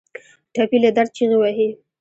ټپي له درد چیغې وهي.